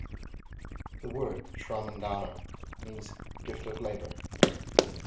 The word "shramadana" means "a gift of labor".